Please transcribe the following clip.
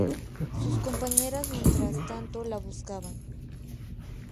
Sus compañeras mientras tanto la buscaban.